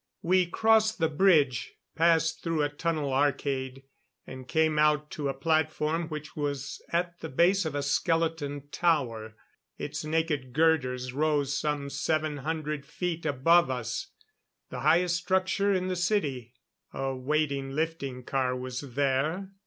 We crossed the bridge, passed through a tunnel arcade, and came out to a platform which was at the base of a skeleton tower. Its naked girders rose some seven hundred feet above us. The highest structure in the city. A waiting lifting car was there.